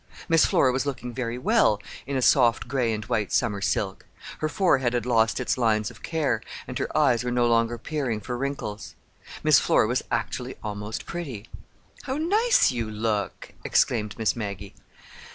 Miss Flora was looking very well in a soft gray and white summer silk. Her forehead had lost its lines of care, and her eyes were no longer peering for wrinkles. Miss Flora was actually almost pretty. "How nice you look!" exclaimed Miss Maggie.